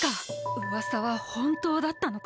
うわさはほんとうだったのか。